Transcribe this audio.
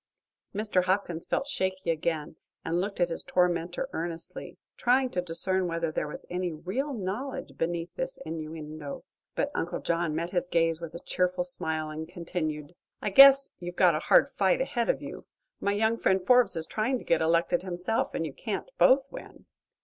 Mr. Hopkins felt shaky again, and looked at his tormentor earnestly, trying to discern whether there was any real knowledge beneath this innuendo. But Uncle John met his gaze with a cheerful smile and continued: "I guess you've got a hard fight ahead of you. My young friend Forbes is trying to get elected himself, and you can't both win."